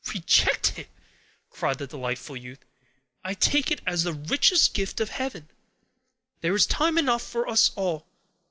"Reject it!" cried the delighted youth. "I take it as the richest gift of heaven. There is time enough for us all.